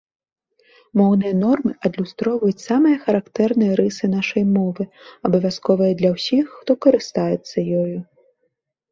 Моўныя нормы адлюстроўваюць самыя характэрныя рысы нашай мовы, абавязковыя для ўсіх, хто карыстаецца ёю.